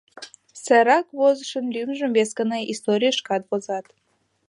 Сайрак возышын лӱмжым вес гана историйышкат возат.